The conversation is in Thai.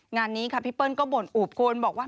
งานนี้ค่ะพี่เปิ้ลก็บ่นอูบโกนบอกว่า